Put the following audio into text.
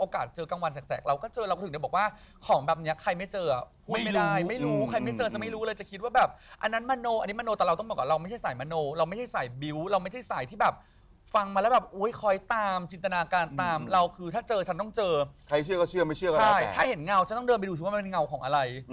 แล้วเราก็ล่ายอย่างนั้นจะขับรถออกเขาก็แบบพี่ครับรอครึ่งก่อนอย่าเพิ่งไป